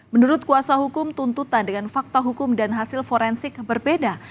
menurut kuasa hukum tuntutan dengan fakta hukum dan hasil forensik berbeda